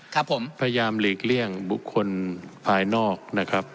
ครับผมพยายามหลีกเลี่ยงบุคคลภายนอกนะครับ